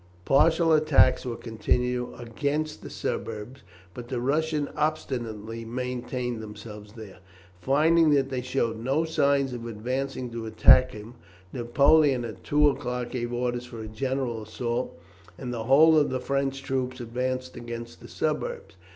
Partial attacks were continued against the suburbs, but the Russians obstinately maintained themselves there. Finding that they showed no signs of advancing to attack him, Napoleon at two o'clock gave orders for a general assault, and the whole of the French troops advanced against the suburbs.